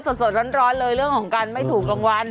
สดร้อนเลยเรื่องของการไม่ถูกรางวัล